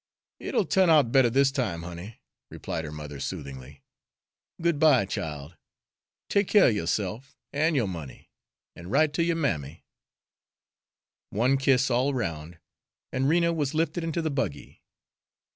"It'll turn out better this time, honey," replied her mother soothingly. "Good by, child. Take care of yo'self an' yo'r money, and write to yo'r mammy." One kiss all round, and Rena was lifted into the buggy.